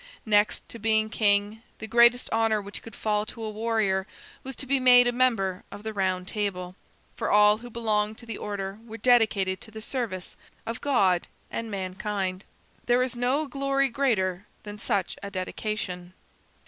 Next to being king, the greatest honor which could fall to a warrior was to be made a member of the Round Table, for all who belonged to the order were dedicated to the service of God and mankind. There is no glory greater than such a dedication.